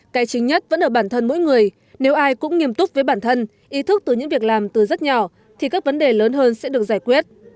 cái chính nhất vẫn ở bản thân mỗi người nếu ai cũng nghiêm túc với bản thân ý thức từ những việc làm từ rất nhỏ thì các vấn đề lớn hơn sẽ được giải quyết